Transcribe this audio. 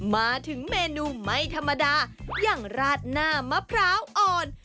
มาถึงเมนูไม่ธรรมดาอย่างราดหน้ามะพร้าวอ่อน